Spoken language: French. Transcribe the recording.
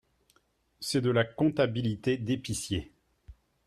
C’est de la comptabilité d’épicier